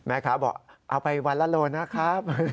แม่ค้าบอกเอาไปวันละโลนะครับ